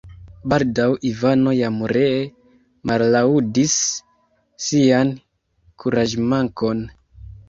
Baldaŭ Ivano jam ree mallaŭdis sian kuraĝmankon.